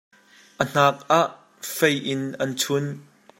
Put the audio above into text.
A hnak ah fei in an chunh.